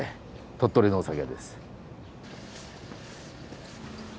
鳥取のお酒です。